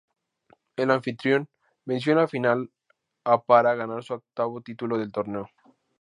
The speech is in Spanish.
El anfitrión venció en la final a para ganar su octavo título del torneo.